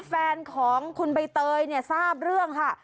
แฟนของคุณใบเตยเนี่ยทราบเรื่องค่ะ